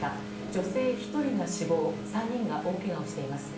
女性１人が死亡３人が大けがをしています。